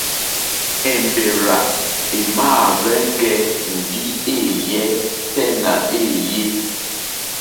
Èmbèrzà èmàáhwɛ̄ŋgɛ̄ ndí èéyɛ́ tɛ́ nà èéyé.